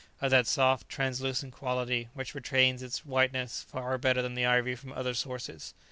of that soft, translucent quality which retains its whiteness far better than the ivory from other sources.